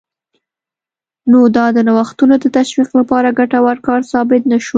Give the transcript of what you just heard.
نو دا د نوښتونو د تشویق لپاره ګټور کار ثابت نه شو